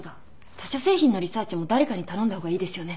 他社製品のリサーチも誰かに頼んだ方がいいですよね。